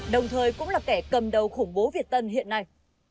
đồng thời cũng là kẻ cầm đầu khủng bố việt tân hiện nay